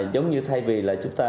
giống như thay vì là chúng ta